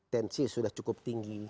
tensi sudah cukup tinggi